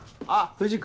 藤君